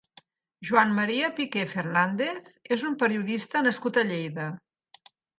Joan Maria Piqué Fernández és un periodista nascut a Lleida.